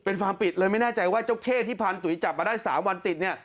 เป็นฟาร์มปิดเลยไม่แน่ใจว่าเจ้าเข้ที่พันตุ๋ยจับมาได้๓วันติดเนี่ย